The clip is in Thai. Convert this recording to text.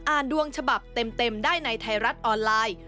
ดวงฉบับเต็มได้ในไทยรัฐออนไลน์